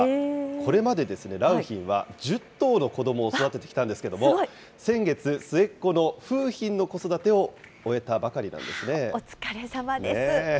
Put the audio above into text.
これまで良浜は、１０頭の子どもを育ててきたんですけれども、先月、末っ子の楓浜の子育てを終えたばかりなんですね。